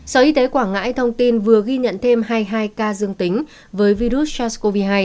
sở y tế quảng ngãi thông tin vừa ghi nhận thêm hai mươi hai ca dương tính với virus sars cov hai